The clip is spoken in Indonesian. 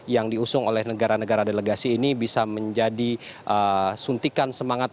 yang diusung oleh negara negara delegasi ini bisa menjadi suntikan semangat